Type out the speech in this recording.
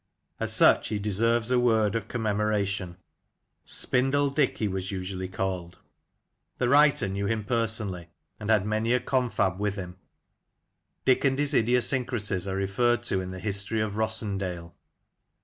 As such he deserves a word of commem oration. "Spindle Dick" he was usually called. The TJte Last of the Ale Tasters. 19 writer knew him personally, and had many a confab with him. Dick and his idiosyncracies are referred to in the "History of Rossendale."